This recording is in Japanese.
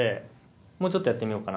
もうちょっとやってみようかな